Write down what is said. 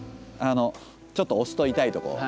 ちょっと押すと痛いとこ。